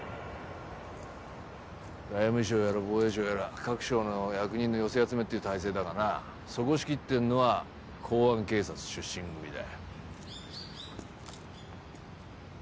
外務省やら防衛省やら各省の役人の寄せ集めっていう体制だがなそこを仕切ってるのは公安警察出身組だ。